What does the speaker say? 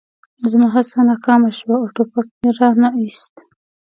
زما هڅه ناکامه شوه او ټوپک مې را نه ایست